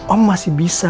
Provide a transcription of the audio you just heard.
om masih bisa